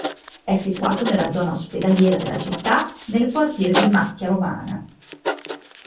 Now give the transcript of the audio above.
È situato nella zona ospedaliera della città, nel quartiere di Macchia Romana.